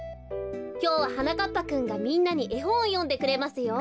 きょうははなかっぱくんがみんなにえほんをよんでくれますよ。